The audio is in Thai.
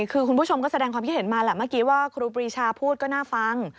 คือคุณผู้ชมก็แสดงความคิดเห็นมาแหละเมื่อกี้ว่าครูปรีชาพูดก็น่าฟัง